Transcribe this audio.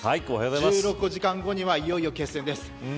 １６時間後にはいよいよ決戦です。